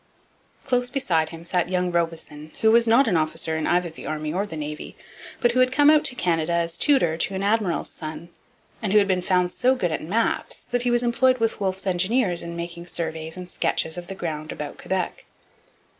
Close beside him sat young Robison, who was not an officer in either the Army or Navy, but who had come out to Canada as tutor to an admiral's son, and who had been found so good at maps that he was employed with Wolfe's engineers in making surveys and sketches of the ground about Quebec.